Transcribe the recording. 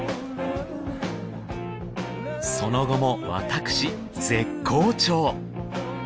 その後も私絶好調